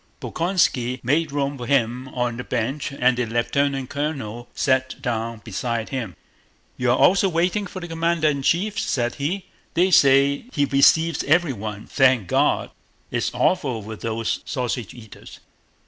Bolkónski made room for him on the bench and the lieutenant colonel sat down beside him. "You're also waiting for the commander in chief?" said he. "They say he weceives evewyone, thank God!... It's awful with those sausage eaters!